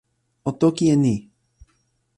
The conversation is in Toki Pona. o toki e ni: